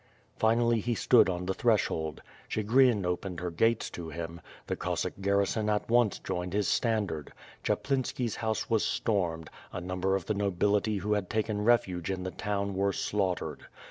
Finally he stood on the threshhold. Chigrin opened her gates to him; the Cossack garrison at once joined his stand ard; Chaplinski's house was stormed; a number of the nobility who had taken refuge in the town were slaughtered.